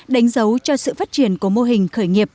đánh dấu cho sự phát triển của mô hình khởi nghiệp